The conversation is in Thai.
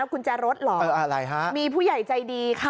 กุญแจรถเหรออะไรฮะมีผู้ใหญ่ใจดีค่ะ